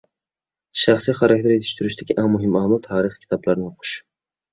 شەخسى خاراكتېر يېتىشتۈرۈشتىكى ئەڭ مۇھىم ئامىل — تارىخىي كىتابلارنى ئوقۇش.